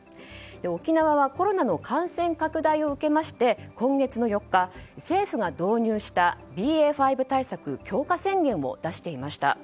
沖縄はコロナの感染拡大を受けまして今月４日、政府が導入したＢＡ．５対策強化宣言も出していました。